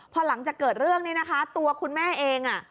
พอหลังจากเกิดเรื่องนี้นะคะตัวคุณแม่เอง